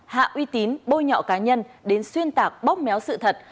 hạ uy tín bôi nhọ cá nhân đến xuyên tạc bóp méo sự thật